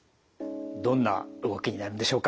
どんな動きになるんでしょうか？